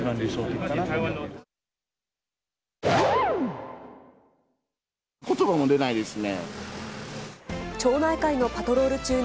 ことばも出ないですね。